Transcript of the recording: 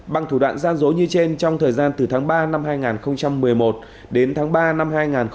bằng thủ đoạn gian dối như trên trong thời gian từ tháng ba năm hai nghìn một mươi một đến tháng ba năm hai nghìn một mươi tám